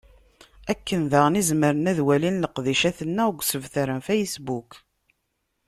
Akken daɣen i zemren ad walin leqdicat-nneɣ deg usebtar n facebook.